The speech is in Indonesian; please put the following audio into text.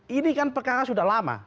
ini kan perkara sudah lama